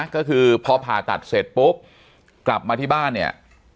ก็คือพอผ่าตัดเสร็จปุ๊บกลับมาที่บ้านเนี่ย